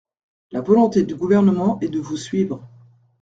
La volonté du Gouvernement est de vous suivre.